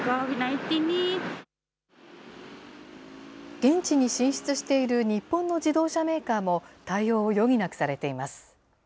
現地に進出している日本の自動車メーカーも対応を余儀なくされています。